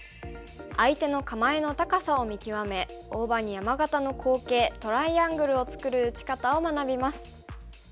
相手の構えの高さを見極め大場に山型の好形トライアングルを作る打ち方を学びます。